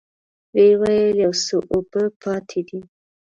ويې ويل: يو څه اوبه پاتې دي.